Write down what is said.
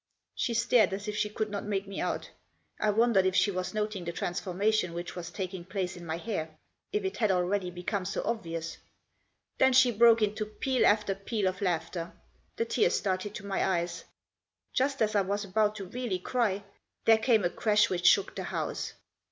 She stared as if she could not make me out. I wondered if she was noting the transformation which was taking place in my hair ; if it had already become so obvious. Then she broke into peal after peal of laughter. The tears started to my eyes. Just as I was about to really cry there came a crash which shook the house.